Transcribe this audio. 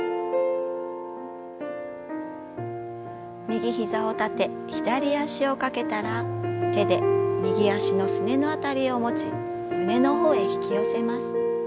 右ひざを立て左脚をかけたら手で右脚のすねの辺りを持ち胸の方へ引き寄せます。